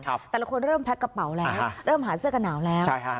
แต่ละคนเริ่มแพ็กกระเป๋าแล้วเริ่มหาเสื้อกันหนาวแล้วใช่ฮะ